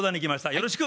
よろしく。